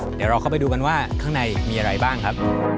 เดี๋ยวเราเข้าไปดูกันว่าข้างในมีอะไรบ้างครับ